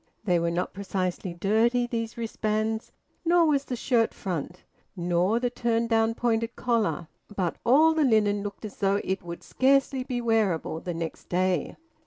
They were not precisely dirty, these wristbands, nor was the shirt front, nor the turned down pointed collar, but all the linen looked as though it would scarcely be wearable the next day.